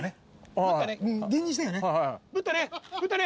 ぶったね。